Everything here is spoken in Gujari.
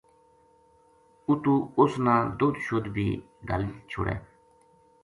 اُتو اُس نا دودھ شُدھ بی گھل چھُڑے